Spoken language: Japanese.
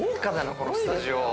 このスタジオ。